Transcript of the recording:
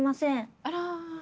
あら。